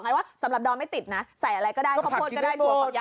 ไงว่าสำหรับดอมไม่ติดน่ะใส่อะไรก็ได้ข้าวโพดก็ได้